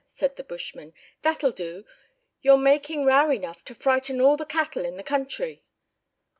said the bushman, "that'll do, you're making row enough to frighten all the cattle in the country."